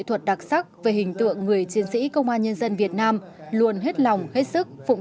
nghệ thuật đặc sắc về hình tượng người chiến sĩ công an nhân dân việt nam luôn hết lòng hết sức phụng